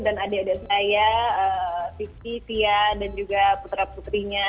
dan adik adik saya vicky tia dan juga putera puterinya